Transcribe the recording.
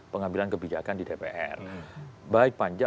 pengambilan kebijakan di dpr baik panja